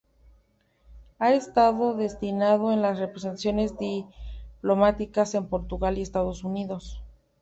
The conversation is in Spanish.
Ha estado destinado en las representaciones diplomáticas en Portugal y Estados Unidos.